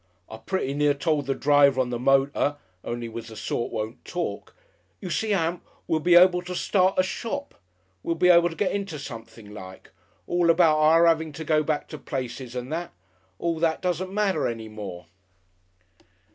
"I pretty near told the driver on the motor only 'e was the sort won't talk.... You see, Ann, we'll be able to start a shop, we'll be able to get into something like. All about our 'aving to go back to places and that; all that doesn't matter any more."